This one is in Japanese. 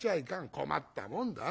困ったもんだな。